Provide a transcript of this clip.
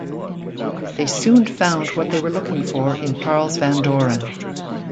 They soon found what they were looking for in Charles Van Doren.